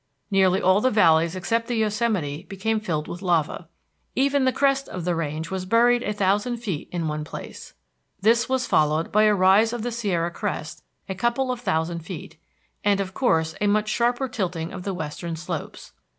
Nearly all the valleys except the Yosemite became filled with lava. Even the crest of the range was buried a thousand feet in one place. This was followed by a rise of the Sierra Crest a couple of thousand feet, and of course a much sharper tilting of the western slopes.